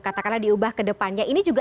katakanlah diubah kedepannya ini juga